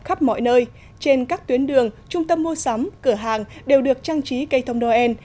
khắp mọi nơi trên các tuyến đường trung tâm mua sắm cửa hàng đều được trang trí cây thông noel